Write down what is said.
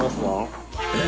えっ？